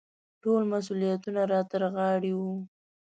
ټول مسوولیتونه را ترغاړې وو.